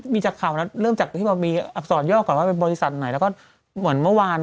มีจากข่าวนั้นเริ่มจากที่แบบมีอักษรย่อก่อนว่าเป็นบริษัทไหนแล้วก็เหมือนเมื่อวาน